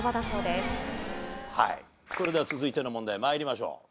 それでは続いての問題参りましょう。